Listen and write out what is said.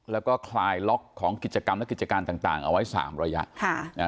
แล้วก็คลายล็อกของกิจกรรมและกิจการต่างเอาไว้๓ระยะ